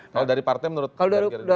kalau dari partai menurut dari gerindra